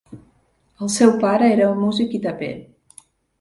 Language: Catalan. El seu pare era músic i taper.